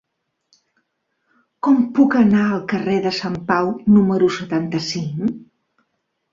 Com puc anar al carrer de Sant Pau número setanta-cinc?